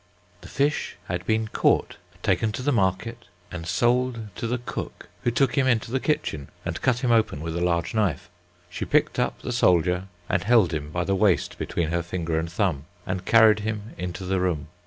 The fish had been caught, taken to the market and sold to the cook, who took him into the kitchen and cut him open with a large knife. She picked up the soldier and held him by the waist between her finger and thumb, and carried him into the room.